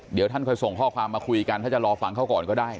เดี๋ยวท่านค่อยส่งข้อความมาคุยกันถ้าจะรอฟังเขาก่อนก็ได้